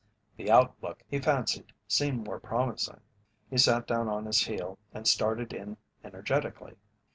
The outlook, he fancied, seemed more promising. He sat down on his heel and started in energetically.